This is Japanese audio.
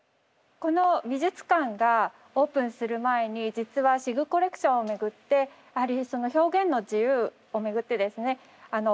この美術館がオープンする前に実はシグコレクションをめぐって表現の自由をめぐってですね